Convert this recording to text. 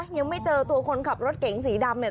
ยังไม่เจอตัวคนขับรถเก๋งสีดำเนี่ย